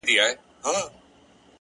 پوهه د ذهن زنګونه ماتوي،